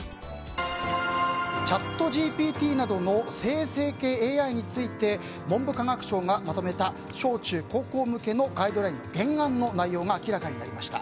チャットＧＰＴなどの生成系ＡＩについて文部科学省がまとめた小中高校向けのガイドラインの原案の内容が明らかになりました。